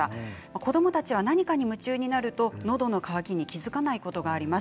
子どもたちは何かに夢中になるとのどの渇きに気付かないことがあります。